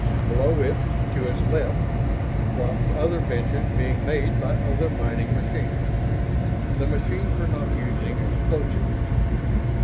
Below it, to its left, dropped other benches being made by other mining machines. The machines were not using explosives.